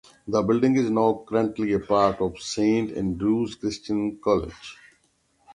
The building is now currently a part of Saint Andrews Christian College.